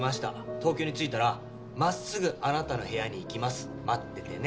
「東京に着いたらまっすぐあなたの部屋に行きます」「待っててね。